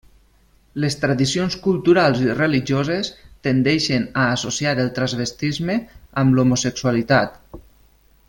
Les tradicions culturals i religioses tendeixen a associar el transvestisme amb l'homosexualitat.